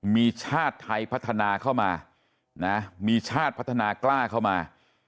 มีชาติไทยพัฒนาเข้ามานะมีชาติพัฒนากล้าเข้ามา